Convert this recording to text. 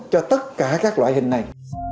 cho tất cả các loại hình này